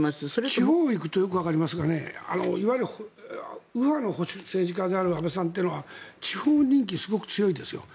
地方に行くとよくわかりますがいわゆる右派の保守政治家である安倍さんというのは地方人気がすごく強いんですよ。